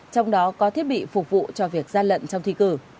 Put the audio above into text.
trong đó có thiết bị phục vụ cho việc gian lận trong thi cử